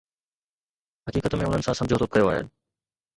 حقيقت ۾ انهن سان سمجهوتو ڪيو آهي.